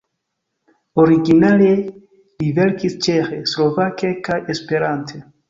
Originale li verkis ĉeĥe, slovake kaj esperante.